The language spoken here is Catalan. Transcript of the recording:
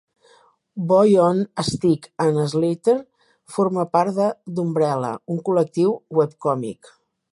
Boy on a Stick and Slither forma part de Dumbrella, un col.lectiu webcòmic.